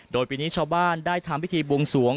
โดยปีนี้ชาวบ้านได้ทำพิธีบวงสวง